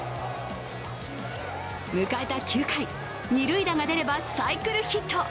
迎えた９回、二塁打が出ればサイクルヒット。